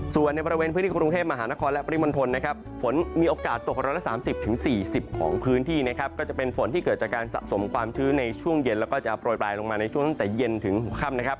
ส่วนในบริเวณพื้นที่กรุงเทพมหานครและปริมณฑลนะครับฝนมีโอกาสตก๑๓๐๔๐ของพื้นที่นะครับก็จะเป็นฝนที่เกิดจากการสะสมความชื้นในช่วงเย็นแล้วก็จะโปรยปลายลงมาในช่วงตั้งแต่เย็นถึงหัวค่ำนะครับ